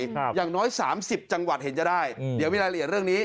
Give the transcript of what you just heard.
อย่างน้อยสามสิบจังหวัดเห็นจะได้อืมเดี๋ยวมีรายละเอียดเรื่องนี้